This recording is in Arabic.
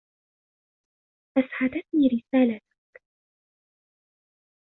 أسعدتني رسالتك.